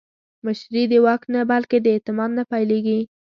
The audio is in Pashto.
مشري د واک نه، بلکې د اعتماد نه پیلېږي